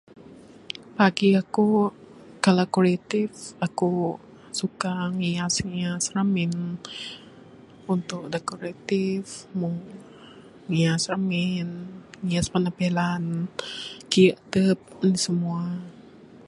Bagi aku kalau kreatif aku suka ngias - ngias ramin untuk decorative meng ngias ramin kiye penampilan ngias mua.